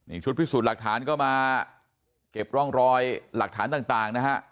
ชุดพิสูจน์หลักฐานก็มาเก็บร่องรอยหลักฐานต่างนะฮะ